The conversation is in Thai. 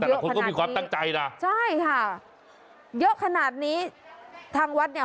แต่ละคนก็มีความตั้งใจนะใช่ค่ะเยอะขนาดนี้ทางวัดเนี่ย